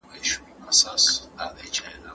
ناوړه عرفونه د نکاحوو مخه نيسي.